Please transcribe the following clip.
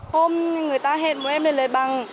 hôm người ta hẹn mỗi em đến lời bằng